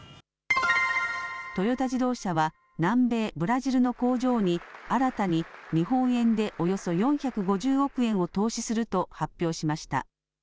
トヨタ自動車は南米ブラジルの工場に新たに日本円でおよそ４５０億円を投資すると発表しました。